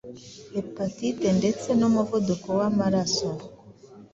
hepatite ndetse n’umuvuduko w’amaraso,